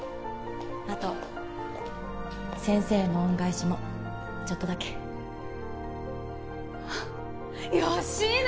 あと先生への恩返しもちょっとだけよしの！